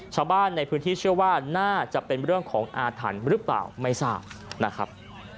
ชาวบ้านในพื้นที่เชื่อว่าน่าจะเป็นเรื่องของอาถรรพ์หรือเปล่าไม่ทราบนะครับ